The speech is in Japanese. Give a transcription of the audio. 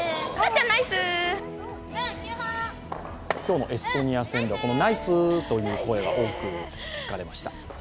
今日のエストニア戦ではこの「ナイスー」という声が多く聞かれました。